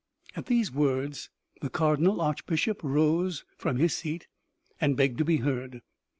At these words the cardinal archbishop rose from his seat and begged to be heard.